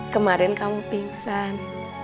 kemarin kamu pingsan